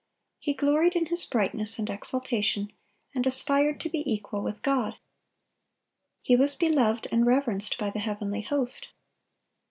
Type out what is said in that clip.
He gloried in his brightness and exaltation, and aspired to be equal with God. He was beloved and reverenced by the heavenly host.